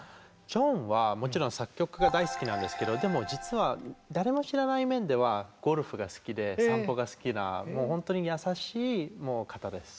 ジョンはもちろん作曲が大好きなんですけどでも実は誰も知らない面ではゴルフが好きで散歩が好きなもう本当に優しい方です。